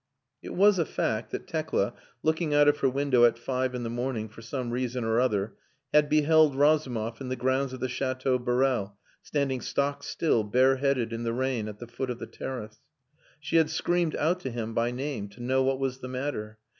It was a fact that Tekla, looking out of her window at five in the morning, for some reason or other, had beheld Razumov in the grounds of the Chateau Borel, standing stockstill, bare headed in the rain, at the foot of the terrace. She had screamed out to him, by name, to know what was the matter.